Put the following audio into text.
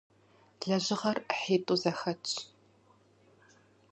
Лэжьыгъэр ӏыхьитӏу зэхэтщ.